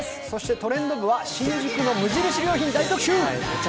トレンド部は新宿の無印良品を大特集。